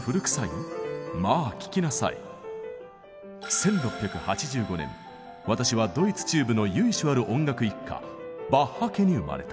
１６８５年私はドイツ中部の由緒ある音楽一家バッハ家に生まれた。